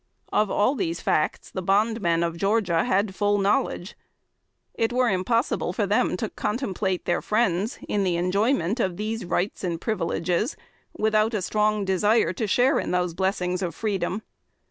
Of all these facts the bondmen of Georgia had full knowledge. It were impossible for them to contemplate their friends, in the enjoyment of these rights and privileges, without a strong desire to share in those blessings of freedom.